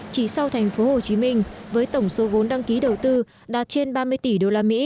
chỉ sau thành phố hồ chí minh với tổng số vốn đăng ký đầu tư đạt trên ba mươi tỷ usd